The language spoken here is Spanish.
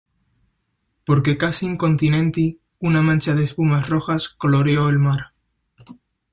porque casi incontinenti una mancha de espumas rojas coloreó el mar